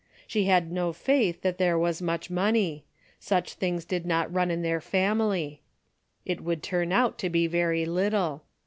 She had no faith that there was much money. Such things did not run in their family. It would turn out to be very little.